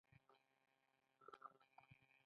ما تاریخ مې په میسترې کي تبد یل کړی وو.